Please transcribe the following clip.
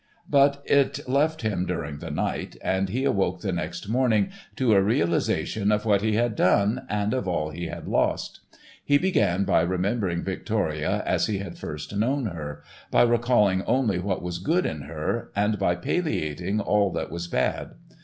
But it left him during the night and he awoke the next morning to a realisation of what he had done and of all he had lost. He began by remembering Victoria as he had first known her, by recalling only what was good in her, and by palliating all that was bad.